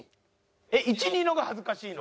えっ１２の方が恥ずかしいの？